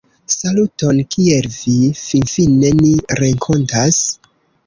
- Saluton! Kiel vi? Finfine ni renkontas-